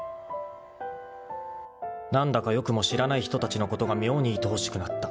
［何だかよくも知らない人たちのことが妙にいとおしくなった］